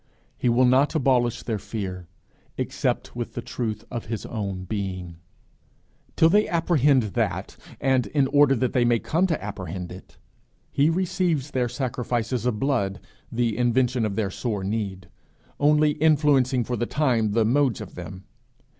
He will not abolish their fear except with the truth of his own being. Till they apprehend that, and in order that they may come to apprehend it, he receives their sacrifices of blood, the invention of their sore need, only influencing for the time the modes of them.